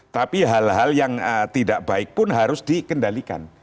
tapi hal hal yang tidak baik pun harus dikendalikan